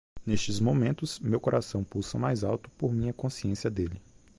Nestes momentos meu coração pulsa mais alto por minha consciência dele.